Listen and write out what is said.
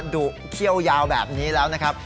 ดุเขี้ยวยาวแบบนี้แล้วนะครับ